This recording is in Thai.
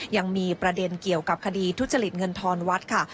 ยังมีประเด็นเกี่ยวกับคดีทุจริตเงินทอนวัดค่ะ